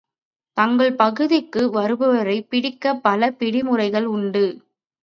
தங்கள் பகுதிக்கு வருபவரைப் பிடிக்க பல பிடி முறைகள் உண்டு.